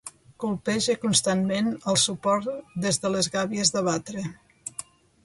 Colpeja constantment el suport des de les gàbies de batre.